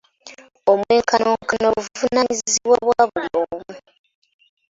Omwenkanonkano buvunaanyizibwa bwa buli omu.